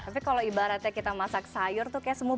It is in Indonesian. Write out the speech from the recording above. tapi kalau ibaratnya kita masak sayur tuh kayak semua